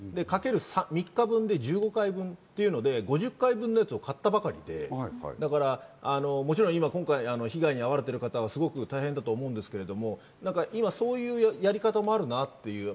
かける３日分で１５回分っていうので５０回分のやつを買ったばかりで、もちろん今、今回被害に遭われている方はすごく大変だと思うんですけど、今そういうやり方もあるなって。